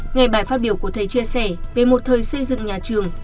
ngay bài phát biểu của thầy chia sẻ về một thời xây dựng nhà trường